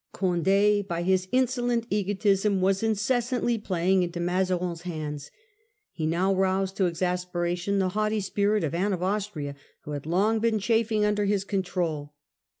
Cond£ by his insolent egotism was inces Condd's in santly playing into Mazarin's hands. He now solence. roused to exasperation the haughty spirit of Anne of Austria, who had long been chafing under his control.